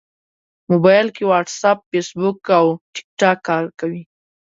موبایل کې واټساپ، فېسبوک او ټېکټاک کار کوي.